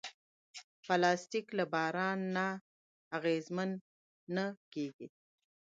پلاستيک له باران نه اغېزمن نه کېږي.